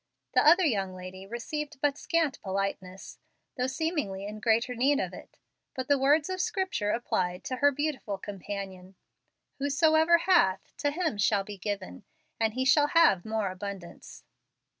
The other young lady received but scant politeness, though seemingly in greater need of it. But the words of Scripture applied to her beautiful companion, "Whosoever hath, to him shall be given, and he shall have more abundance."